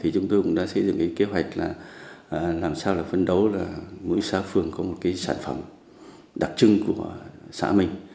chúng tôi cũng đã xây dựng kế hoạch làm sao phân đấu là mỗi xã phường có một sản phẩm đặc trưng của xã mình